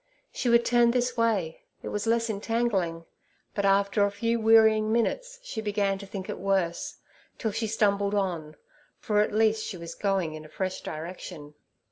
She would turn this way: it was less entangling. But after a few wearying minutes she began to think it worse, still she stumbled on, for at least she was going in a fresh direction.